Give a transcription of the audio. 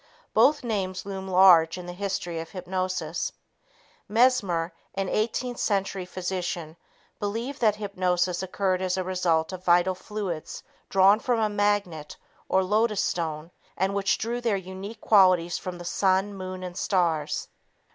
Both names loom large in the history of hypnosis. Mesmer, an 18th century physician, believed that hypnosis occurred as a result of "vital fluids" drawn from a magnet or lodestone and which drew their unique qualities from the sun, moon and stars.